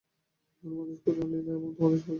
ধন্যবাদ, squadron leader আর তোমাদের সবাইকেও।